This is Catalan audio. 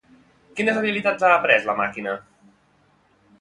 Quines habilitats ha après la màquina?